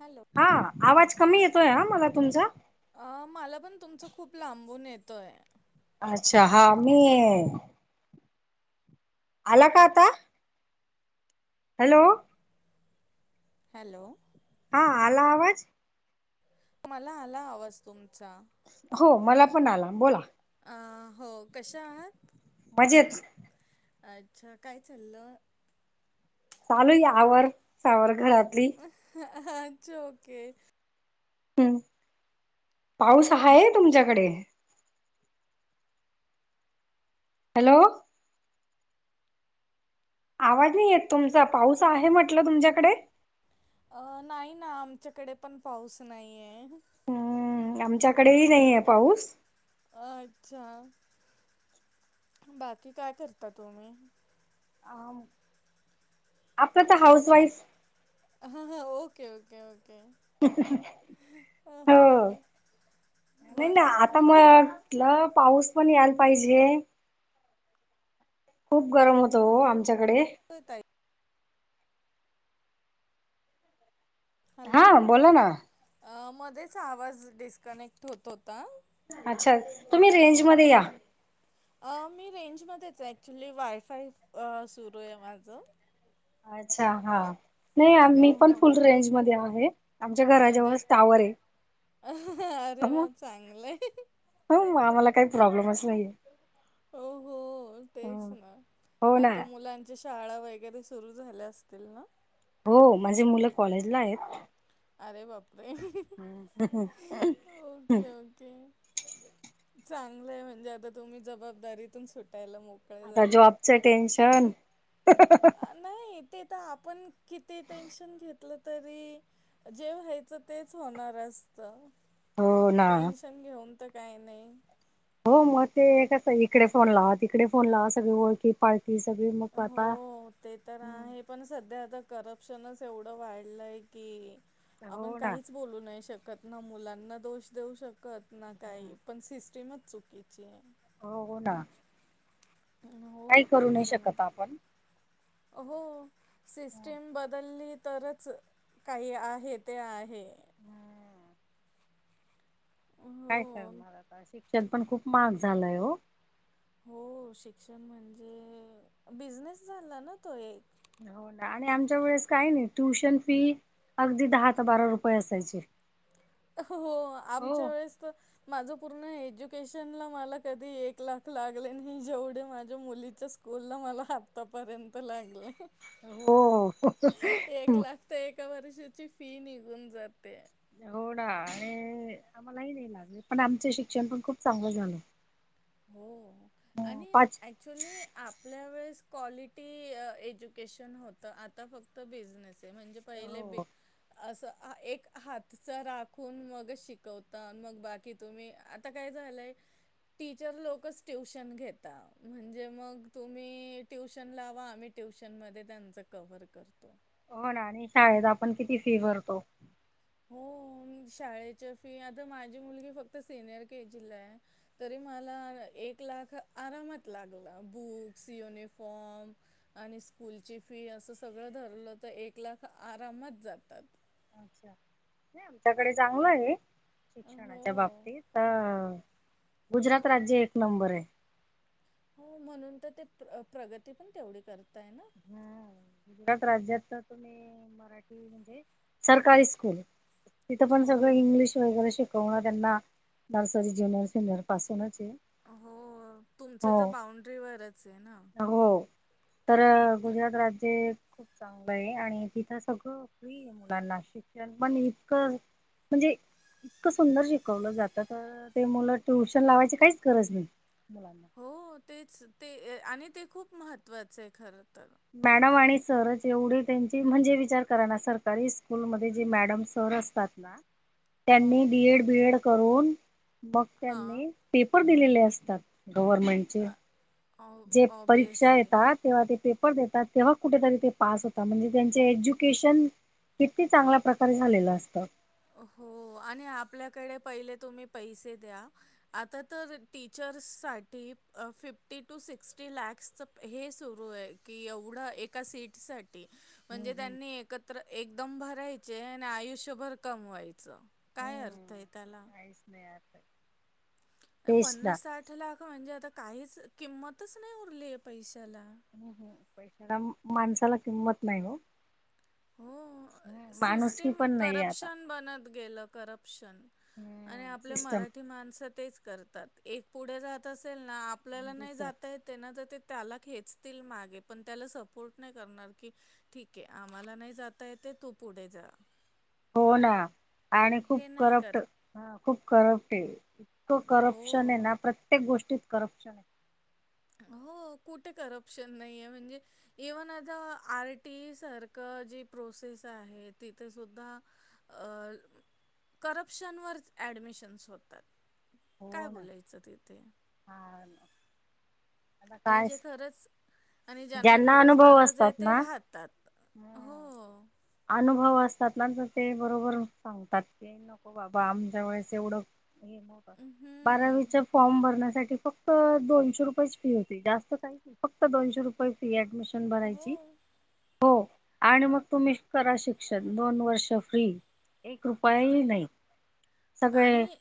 Hello. हा आवाज कमी येतोय हा मला तुमचा अ मला पण तुमचा खूप लांबून येतोय. अच्छा हा मी आला का आता हॅलो हॅलो, हा आला आवाज मला आला आवाज तुम चा, हो मला पण आला, बोला अ हो कशा आहात मजेत. अच्छा काय चाललं चालू या आवर-सावर घरात ली अच्छा ओके हम् पाऊस आये तुमच्याकडे हॅलो, आवाज नाही येत तुमचा पाऊस आहे म्हटलं तुमच्याकडे अ नाही ना आमच्याकडे पण पाऊस नाही आहे हम् आमच्याकडेही नाही आहे पाऊस अच्छा बाकी काय करता तुम्ही अ आपलं तर हाऊस वाईफ हा-हा ओके-ओके-ओके. हो हां नाही ना बर आता मग-‌- लं पाऊस पण यायला पाहिजे खूप गरम होतो ओ आम आमच्याकडे, ताई हा हॅलो. बोला ना, मध्येच आवाज डिस्कनेक्ट होत होता अच्छा तुम्ही रेंज मध्ये या अ मी रेंजमध्येध्येच आहे ऍक्च्युली वायफाय सुरू आहे माझं अच्छा हा, नाही आम्ही पण फुल रेंज मध्ये आहे. हे कधच अ अरे म चांगलंय हे. मला काही प्रॉब्लेमच नाही. हो-हो तेच ना हो ना आता मुलांच्या शा शाळा वगैरे सुरु झाल्या असतील ना, हो माझी मुलं कॉलेजला आहेत. अरे बाप हम् ह-ह-ह. चांगलंय म्हणजे आता तुम्ही जबाबदारीतून सुट आता जॉबचं टेन्शन. ह् ह्हं ह्हं हं. आ, नाही ते तर आपण किती टेन्शन घेतलं तरी जे व्हायचं तेच होणार असतं. हो ना टेन्शन घेऊन. त काही नाही. हो मग ते कस इकडे फोन लावा, तिकडे फोन लावा सगळी ओळखी पाळ. हो ते तर हाये पण सध्या आता. करप्शनच एवढं वाढलं आहे की आपण हो ना काहीच बोलू नाही शक ना मुलांना दोष देऊ शकत. त ना काही पण सिस्टीमच. चुकीची आहे. हो हो ना. काही हो करू नाही तेच आहे ना शकत आपण. हो. सिस्टीम बद्दली. तरच काही आहे ते आहे. हम्म. काय हो करणार आता शिक्षण पण खूप महाग झालाय हो. हो शिक्षण म्हणजे बिझनेस झाला ना तो एक. हो ना आणि आमच्या वेळेस काही नाही ट्युशन फी अगदी दहा ते बारा रुपये असायचे. हो हो आमच्या वेळेस तर माझं. पूर्ण एज्युकेशनला मला कधी एक लाख लागले नाही जेवढे माझ्या मुलीच्या स्कूलला मला आत्तापर्यंत लागले. हो हो. ती ची फी निघून जाते. होणा आणि आम्हालाही नाही लागले. पण आमच शिक्षण पण खूप चांगलं झालं. हो हो आणि पाच ऍक्च्युली आपल्या वेळेस. क्वालिटी एज्युकेशन होतं. आता फक्त बिझनेस. ते म्हणजे पहिले बी हो असं. एक हातचा राखून मग शिकवता मग बाकी तुम्ही आता काय झालंय टीचर टिचर लोकच ट्युशन घेतात म्हणजे मग तुम्ही ट्यूशन लावा आम्ही ट्युशनमध्ये त्यांचं कव्हर करतो. हो ना, आणि शाळेत आपण किती फी भरतो. हो शाळेच्या फी आता माझी मुलगी फक्त सिनियर के जी ला आहे. तरी मला एक लाख आरामात लागतात. बुक्स, युनिफॉर्म, आणि स्कूलची फी असं सगळं धरलं तर एक लाख आरामात जातात. अच्छा नाही आमच्याकडे चांगलं आहे. शिक्षणाच्या हो बाबतीत अ. गुजरात राज्य एक नंबर आहे. हो म्हणून तर ते प्रगती पण तेवढी करताय. हा गुजरात राज्यात तर तुम्ही मराठी म्हणजे सरकारी स्कूल तिथं पण हो सगळ इंग्लिश वगैरे शिकवतात त्यांना नर्सरी, ज्युनियर, सिनियर, पासूनच आहे हो तुमचं हो तर बाउंड्रीवरच बॉण्ड्री वरच आहे ना हो तर गुजरात राज्य खूप चांगलं आहे. आणि तिथं सगळं मोफत आहे मुलांना शिक्षण पण इतकं म्हणजे इतकं सुंदर शिकवलं जातं तर ते मुलं शिकवणे लावायची काहीच गरज नाही मुलांना हो तेच ते आणि ते खूप महत्त्वाचे खर तर मॅडम आणि सर जेवढी त्यांची म्हणजे विचार करा ना सरकारी स्कूलमध्ये जे मॅडम सर असतात ना हो त्यांनी बीएड डीएड करून मग हां त्यांनी पेपर दिलेले असतात गव्हर्नमेंट चे ऑ जे परीक्षा ऑबियसली येतात तेव्हा ते देतात तेव्हा कुठेतरी ते पास होतात म्हणजे त्यांचे एज्युकेशन किती चांगल्या प्रकारे झालेलं असतं हो आणि आपल्याकडे पहिले तुम्ही पैसे द्या आता तर शिक्षकाच्या नो पणांस ते साठ लाख भरायचे हे सुरू आहे की एवढं एका जागे साठी हम्म म्हणजे हम्म त्यांनी एकत्र एकदम भरायचे आणि आयुष्यभर कमवायचं काय अर्थ आहे हम्म त्याला काहीच नाही तेच ना. पन्नास साठ लाख म्हणजे आता काहीच किंमतच नाही उरली आहे पैशाला हम ह पैशाला माणसाला किंमत नाही ओ हो सिटम पण नाहीये आता. करप्शन बनत गेले करप्शन आणि आपली सिस्टम मराठी माणसं तेच तर -तर ऐक पुढे जाते तर दुसरा मागे खचतो ना आपल्याला नाही दुसरं जाता येते ना तर ते त्याला खेचतील माग पण त्याला सपोर्ट नाही करणार की ठीक आहे आम्हाला नाही जाता येत तू पुढे जा हो ना आणि खूप हे नाही करप्ट कर ह खूप करप्ट ते. तो हो करप्शन आहे ना प्रत्येक गोष्टी करप्शन आहे. हो कुठे करप्शन नाही आहे म्हणजे इव्हन आता आर टी सारखं जी प्रोसेस आहे तिथे सुुद्धा करप्शनवर ऍडमिशन्स होतात. काय हो ना. बोलायचं तिथे? हा आता आणि काय जे खरंच आणि ज्यांना खरंच अनुभव गरज आहे असतात ते ना राहतात हो. अनुभव असतात ना ते बरोबर सांगतात की नको बाबा आमच्या वेळेस एवढं हे नव्हतं हम्म बारावीच्या फॉर्म भरण्यासाठी फक्त दोनशे रुपय फी होती. जास्त काही फक्त दोनशे रुपये फी ऍडमिशन आपण हो भरायची? हो. आणि मग तुम्ही करा शिक्षण दोन वर्ष फ्री. एक रुपयाही फ्री नाही सगळे आणि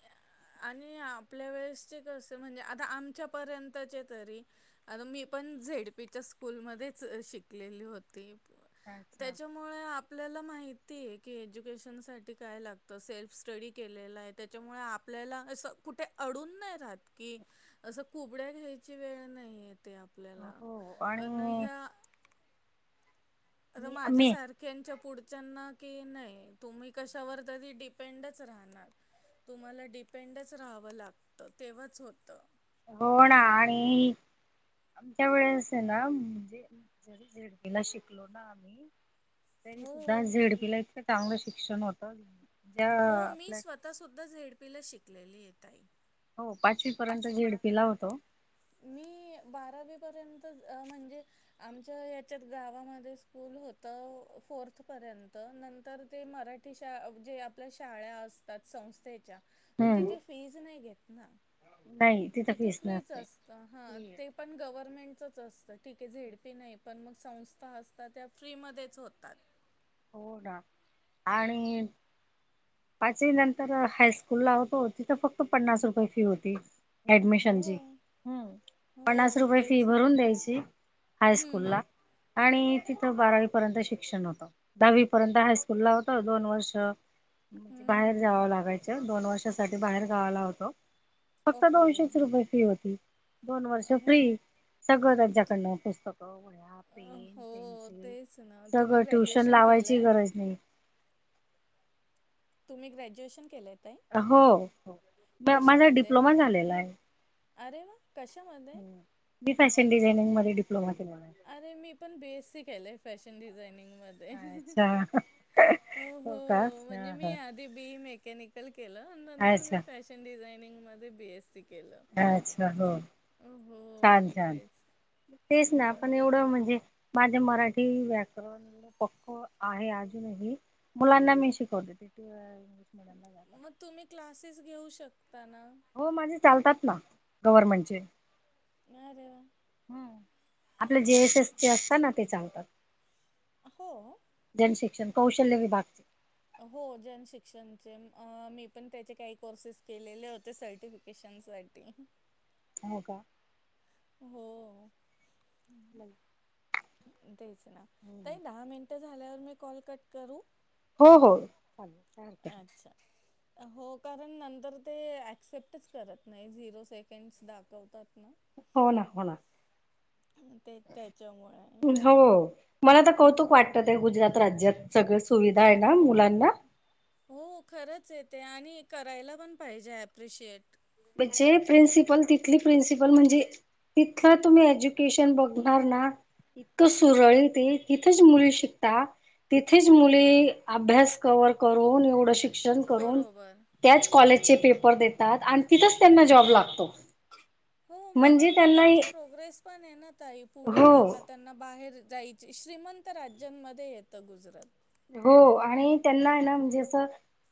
आणि आपल्या वेळेस कस म्हणजे? आता आमच्यापर्यंतचे तरी आता मी पण झेडपीच्या स्कूलमध्येच शिकलेली होती अच्छा त्याच्यामुळे आपल्याला माहितीय की एज्युकेशन साठी काय लागतं सेल्फ स्टडी केलेलं आहे, त्याच्यामुळे आपल्याला असं कुठे अडून नाही राहत की असं कुबड्या घ्यायची वेळ नाही आहेत. ते आपल्याला हो अन आणि ह्या आता मी माझ्या मी सारख्यांच्या पुढच्याना की नाही तुम्ही कशावर तरी डिपेंडच राहणार, तुम्हाला डिपेंडच राहावं लागतं तेव्हाच होतं. हो ना आणि आमच्या वेळेस ना म्हणजे जरी झेडपीला शिकलो ना आम्ही तरी हो सुद्धा झेडपीला इतकं चांगलं शिक शिक्षण होत. हो मी स्वतः सुुद्धा झेडपीला शिक कलेली येतई हो पाचवी पर्यंत झीडपी ला होतो. मी बारावीपर्यंत म्हणजे आमच्या याच्यात गावामध्ये स्कूल होत. फोर्थ पर्यंत नंतर ते मराठी शा जे आपल्या शाळा असतात संस्थेच्या पण हम्म. तिथे फीज नाही घेत. ना नाही तिथं फीस नसते. हा ते पण गव्हर्नमेंट असतंय. तिथे आहे झेडपी नाही. पण मग संस्था असतात त्या फ्रीमध्येच होतात. हो ना आणि पाचवी नंतर हायस्कूल ला होतो, तिथं फक्त पन्नास रुपये फी होती. हो ऍडमिशनची हम्म पन्नास हो रुपये फी तेच ना भरून द्यायची हम्म हायस्कूल ला हम्म आणि- तिथं बारावी पर्यंत शिक्षण होतं. दहावी पर्यंत हायस्कूल ला होत दोन वर्ष- म्हणजे हम्म हम्म बाहेर हम्म जावं लागायचं दोन वर्ष. बाहेर गावाला होतो. फक्त ओके दोनशेच रुपये फी होती. दोन वर्ष हो फ्री सगळं त्यांच्याकडन पुस्तकं वह्या अ, पेन हो पेन्सिल तेच ना तुम्ही सगळ टुश्यन- ग्रॅज्युएशन लावायची केलंय? गरज नाही तुम्ही ग्रॅज्युएशन केलय हो हो म माझा कशामध्ये? डिप्लोमा झालेला आहे. अरे वा! कशामधे. मी फॅशन डिझायनिंग मध्ये डप्लोमा केलाय अर मी पण बीएससी केले फॅशन आहे डिझाइनिंग. अच्छा हो का हो ह म्हणजे मी ह आधी बी मॅ- मेकॅनिकल. केलं नंतर मी अच्छा फॅशन डिझाईन [unintelligible] मध्ये बीएससी अच्छा हो? छान हो छान तेच तेच ना पण एवढं म्हणजे, माझे मराठी व्याकरण पक्क आहे अजूनही मुलांना मी शिकवते तिथे. मग तुम्ही क्लासेस घेऊ शक- हो माझे चालतात. ना गवररमेंटचे. अरे वा हम्म आपले जेएस एस चे असतात ना ते चालतात. हो. जन शिक्षण कौशल्य विभाग हो [unintelligible] मी पण त्याचे काही कोर्सेस केलेले होते सर्टिफिकेशन साठी. हो का? हो तेच ना ताई दहा मिनट झाल्यावर मी. कॉल कट करू. हो हो चालेल. काय हरकत नाही अच्छा [unintelligible] हो कारण नंतर ते ऍक्सेप्टच करत नाही, झिरो सेकंड दाखवतात ना. हो ना होणा. ते त्याच्यामुळे हो मला तर हो कौतुक वाटतं त्या गुजरात राज्यात. सगस्. सुविधा आहे ना हो मुलांना. हो खरंच आहे ते आणि करायला पण पाहिजे ॲप्रिशिएट. म्हण जे प्रिन्सिपल तिथली प्रिन्सिपल म्हणजे, इथलं तुम्ही एज्युकेशन बघणार ना इतकं सुरळीत. ते तिथेच मुली शिकता तिथेच मुले अभ्यास क्ह करून एवढ शिक ् क्षण करून बरोबर त्याच कॉलेजचे पेपर दे. [unintelligible] तिथंच त्यांना जॉब लागतो. हो म्हणजे म्हणून तर त्यांना त्यांची प्रोग्रेस पण आहे, ना ताई. पुढे हो जाता त्यांना बाहेर जायची श्रीमंत राज्यांमध्ये येतं गुजरात. हो आणि त्यांना आहे, ना म्हणजे असं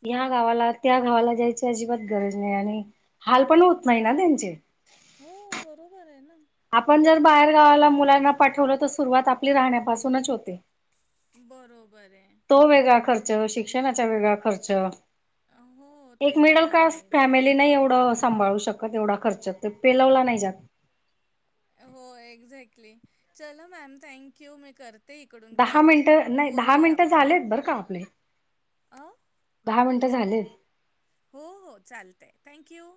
ह्या गावाला त्या गावाला जायची अजिबात गरज नाही, आणि हाल पण होत नाही ना त्यांचे. हो बरोबर आहे ना. आपण ते जर बाहेर गावाला मुलांना पाठवलं तर सुरुवात आपली राहण्यापासूनच होते. बरोबरये. तो वेगळा खर्च, शिक्षणाचा वेगळा खर्च. हो ते एक तर मिडल क्लास आहेच फॅमिली नाही एवढं अस सांभाळू शकत एवढा खर्च ते पेलवला नाही जात. हो एक्झॅक्टली चल मॅम थँक यू मी करते. इकडून दहा कट मिनटं नाही दहा बोलूया मिनट आपण झालेत बरं का आपले. अ दहा मिनटं झाले. हो हो चालतय थँंक यू.